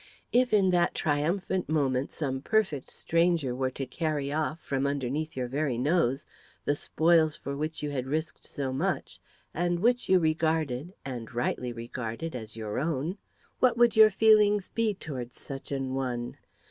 If in that triumphant moment some perfect stranger were to carry off, from underneath your very nose, the spoils for which you had risked so much, and which you regarded, and rightly regarded, as your own, what would your feelings be towards such an one?